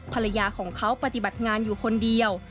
ภรรยาของเขาปฏิบัติงานอยู่คนเดียว